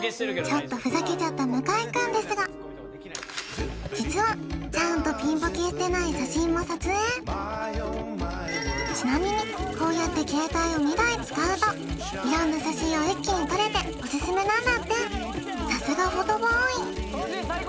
ちょっとふざけちゃった向井くんですが実はちゃんとピンボケしてない写真も撮影ちなみにこうやって携帯を２台使うと色んな写真を一気に撮れておすすめなんだってさすがフォトボーイ